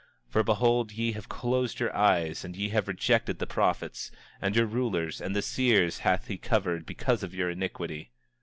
For behold, ye have closed your eyes, and ye have rejected the prophets; and your rulers, and the seers hath he covered because of your iniquity.